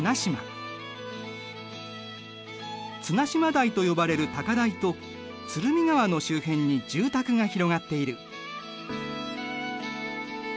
綱島台と呼ばれる高台と鶴見川の周辺に住宅が広がっている。